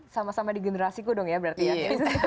sama sama di generasiku dong ya berarti ya